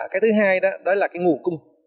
cái thứ hai đó là cái nguồn cung